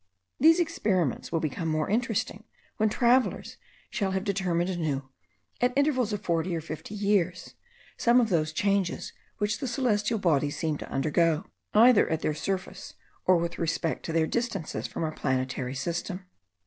These experiments will become more interesting when travellers shall have determined anew, at intervals of forty or fifty years, some of those changes which the celestial bodies seem to undergo, either at their surface or with respect to their distances from our planetary system.